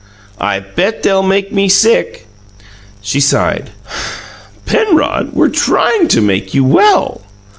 "I bet they'll make me sick." She sighed. "Penrod, we're trying to make you well."